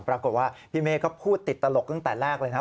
ปรากฏว่าพี่เมฆก็พูดติดตลกตั้งแต่แรกเลยนะ